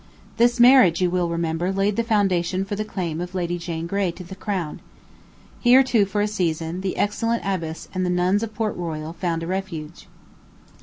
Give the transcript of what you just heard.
This marriage, you will remember, laid the foundation for the claim of Lady Jane Grey to the crown. Here, too, for a season, the excellent abbess and the nuns of Port Royal found a refuge.